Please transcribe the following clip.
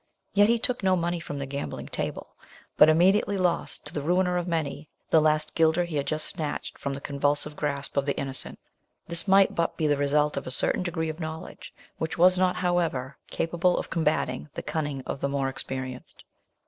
Yet he took no money from the gambling table; but immediately lost, to the ruiner of many, the last gilder he had just snatched from the convulsive grasp of the innocent: this might but be the result of a certain degree of knowledge, which was not, however, capable of combating the cunning of the more experienced.